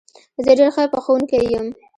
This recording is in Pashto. زه ډېر ښه پخوونکی یم